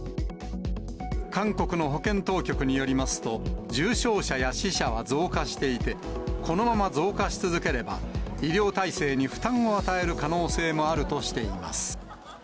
韓国の保健当局によりますと、重症者や死者は増加していて、このまま増加し続ければ、医療体制に負担を与える可能性もあるとしています。